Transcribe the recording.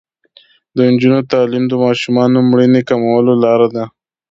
د نجونو تعلیم د ماشومانو مړینې کمولو لاره ده.